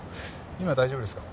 今大丈夫ですか？